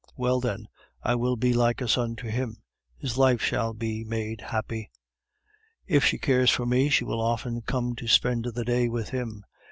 Well, then, I will be like a son to him; his life shall be made happy. If she cares for me, she will often come to spend the day with him.